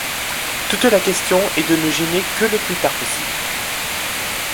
Toute la question est de ne gêner que le plus tard possible.